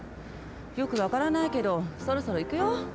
よくわからないけどそろそろいくよ。